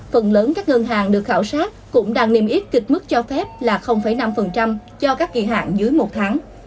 phần lớn các ngân hàng được khảo sát cũng đang niêm yết kịch mức cho phép là năm cho các kỳ hạn dưới một tháng